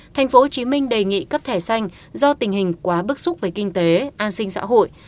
thành phố hồ chí minh đề nghị cấp thẻ xanh do tình hình quá bức xúc với kinh tế an sinh xã hội